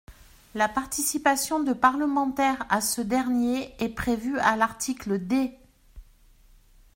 La participation de parlementaires à ce dernier est prévue à l’article D.